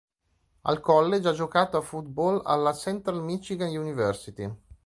Al college ha giocato a football alla Central Michigan University.